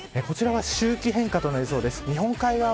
こちらは周期変化となりそうです。